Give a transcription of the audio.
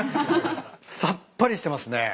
さっぱりしてますね。